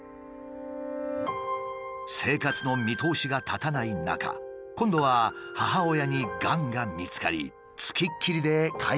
生活の見通しが立たない中今度は母親にがんが見つかり付きっきりで介護することに。